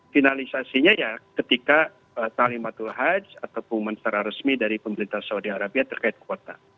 finalisasinya ketika talimatul hajj ataupun menserah resmi dari pemerintah saudi arabia terkait kuota